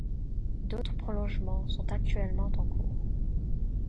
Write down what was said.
D'autres prolongements sont actuellement en cours.